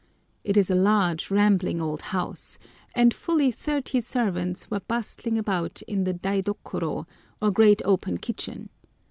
It is a large, rambling old house, and fully thirty servants were bustling about in the daidokoro, or great open kitchen.